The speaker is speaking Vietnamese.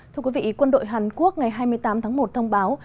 thưa quý vị quân đội hàn quốc ngày hai mươi tám tháng một thông báo